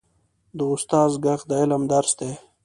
د استاد ږغ د علم درس دی.